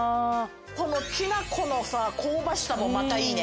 このきな粉の香ばしさもまたいいね。